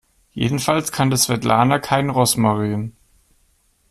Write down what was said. Jedenfalls kannte Svetlana keinen Rosmarin.